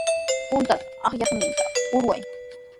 Puntata ayaqninta hurqay.